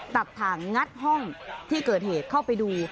ตัดถ่างงัดห้องที่เกิดเหตุเข้าไปดู